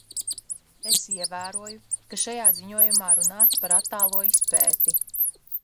Es ievēroju, ka šajā ziņojumā runāts par attālo izpēti.